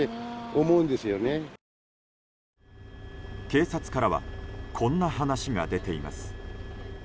警察からはこんな話が出ています。